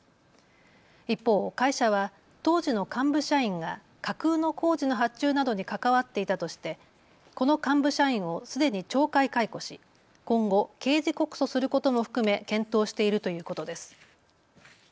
一方、会社は当時の幹部社員が架空の工事の発注などに関わっていたとしてこの幹部社員をすでに懲戒解雇し今後、刑事告訴することも含め検討しているということです。